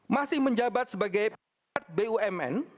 masih menjabat sebagai pejabat bumn